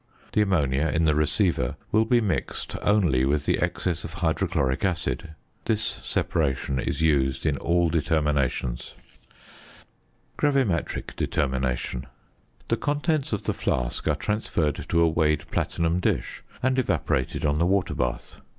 The ammonia in the receiver will be mixed only with the excess of hydrochloric acid. This separation is used in all determinations. GRAVIMETRIC DETERMINATION. The contents of the flask are transferred to a weighed platinum dish, and evaporated on the water bath.